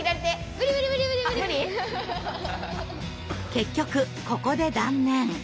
結局ここで断念。